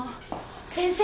先生。